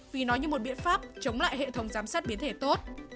vì nó như một biện pháp chống lại hệ thống giám sát biến thể tốt